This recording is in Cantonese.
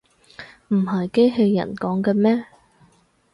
唔係機器人講嘅咩